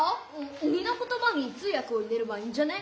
おにのことばに通訳を入れればいいんじゃね？